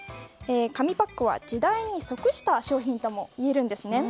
紙パックは時代に即した商品ともいえるんです。